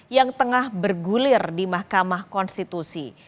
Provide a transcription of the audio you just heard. yang tengah bergulir di mahkamah konstitusi